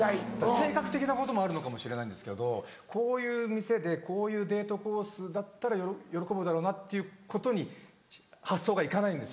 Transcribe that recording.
性格的なこともあるのかもしれないんですけどこういう店でこういうデートコースだったら喜ぶだろうなっていうことに発想が行かないんですよね。